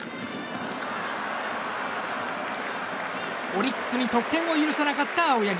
オリックスに得点を許さなかった青柳。